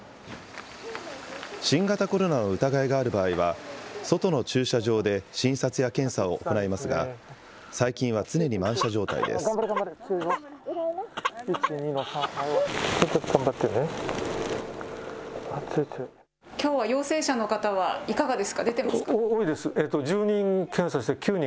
新型コロナの疑いがある場合は、外の駐車場で診察や検査を行いますが、最近は常に満車状態です。